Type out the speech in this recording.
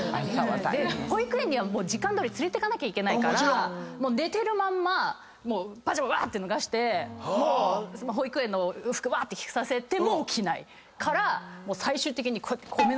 で保育園には時間どおり連れてかなきゃいけないから寝てるまんまパジャマうわーって脱がせて保育園の服うわーって着させても起きないから最終的にこうやって。